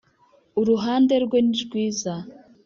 uruhande rwe ni rwiza